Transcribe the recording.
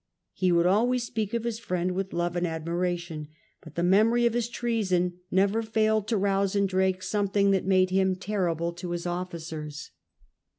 He would always speak of his friend with love and admiration ; but the memory of his treason never failed to rouse in Drake something that made him terrible to his officers.